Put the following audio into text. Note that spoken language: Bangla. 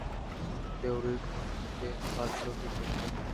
দেউড়ির ঘণ্টাতে বাজল দুটো।